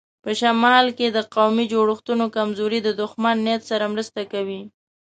په شمال کې د قومي جوړښتونو کمزوري د دښمن نیت سره مرسته کوي.